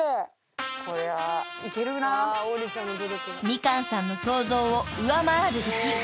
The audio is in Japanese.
［みかんさんの想像を上回る出来］